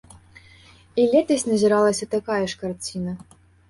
І летась назіралася такая ж карціна.